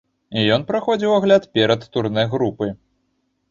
Ён праходзіў агляд перад турнэ групы.